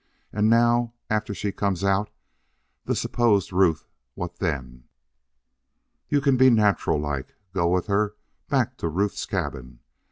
"And now after she comes out the supposed Ruth what then?" "You can be natural like. Go with her back to Ruth's cabin.